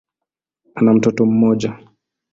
Ana mtoto mmoja.